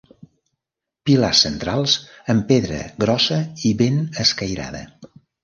Pilars centrals en pedra grossa i ben escairada.